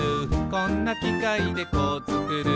「こんなきかいでこうつくる」